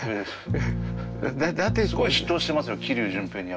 すごい嫉妬してますよ桐生順平に。